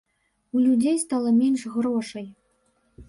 У людзей стала менш грошай.